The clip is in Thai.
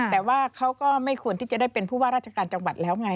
แต่ว่าเขาก็ไม่ควรที่จะได้เป็นผู้ว่าราชการจังหวัดแล้วไง